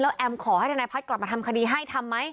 แอมขอให้ทนายพัฒน์กลับมาทำคดีให้ทำไหม